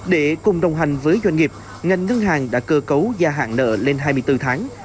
để cùng đồng hành với doanh nghiệp ngành ngân hàng đã cơ cấu gia hạn nợ lên hai mươi bốn tháng